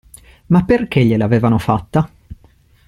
Ma perché gliel'avevano fatta?